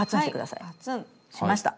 しました。